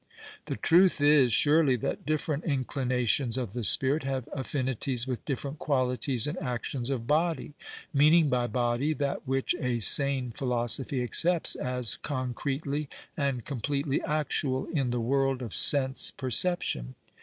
" The truth is, surely, that different inclinations of the spirit have affinities with different qualities and actions of body— meaning by body that which a sane philosoi)hy accepts as concretely and completely actual in the world of sense perception.